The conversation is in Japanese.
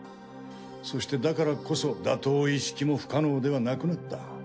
そしてだからこそ打倒イッシキも不可能ではなくなった。